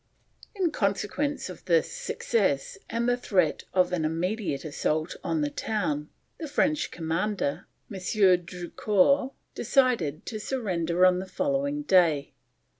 In consequence of this success and the threat of an immediate assault on the town, the French commander, M. Drucour, decided to surrender on the following day.